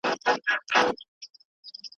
د ملالي تر جنډۍ به سره ټپه له کومه راوړو